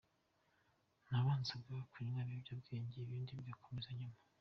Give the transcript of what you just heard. Nabanzaga kunywa ibiyobyabwenge, ibindi bigakomeza nyuma.